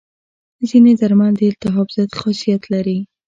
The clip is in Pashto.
ځینې درمل د التهاب ضد خاصیت لري.